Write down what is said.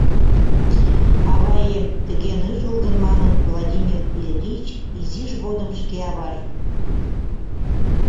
«Аваем», — тыге ныжылгын манын Владимир Ильич изиж годым шке аважым.